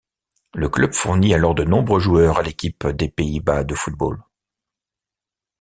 Le club fournit alors de nombreux joueurs à l'équipe des Pays-Bas de football.